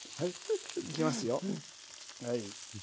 いきますよはい。